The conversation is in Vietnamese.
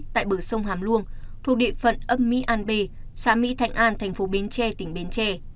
tại bờ sông hàm luông thuộc địa phận ấp mỹ an b xã mỹ thạnh an thành phố bến tre tỉnh bến tre